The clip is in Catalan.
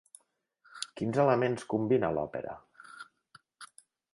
Quins elements combina l'òpera?